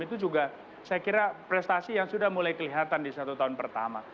itu juga saya kira prestasi yang sudah mulai kelihatan di satu tahun pertama